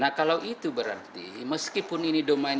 nah kalau itu berarti meskipun ini domain